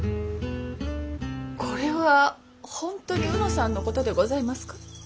これは本当に卯之さんのことでございますか？